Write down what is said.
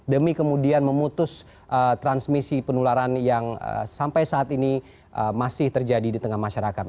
demi kemudian memutus transmisi penularan yang sampai saat ini masih terjadi di tengah masyarakat